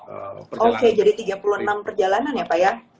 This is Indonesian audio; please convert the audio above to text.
oke jadi tiga puluh enam perjalanan ya pak ya